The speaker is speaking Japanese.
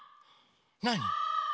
なに？